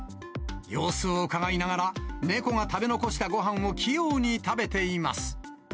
様子をうかがいながら、猫が食べ残したごはんを器用に食べています。